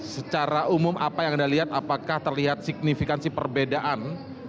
secara umum apa yang anda lihat apakah terlihat signifikansi perbedaan